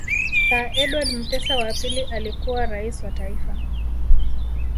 Sir Edward Mutesa wa pili alikuwa Rais wa Taifa